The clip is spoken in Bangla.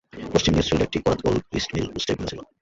পশ্চিম নিউফিল্ডে একটি করাতকল, গ্রিস্টমিল ও স্টেভমিল ছিল।